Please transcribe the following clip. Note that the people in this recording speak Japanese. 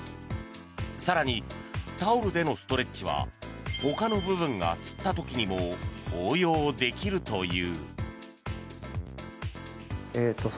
更に、タオルでのストレッチはほかの部分がつった時にも応用できるという。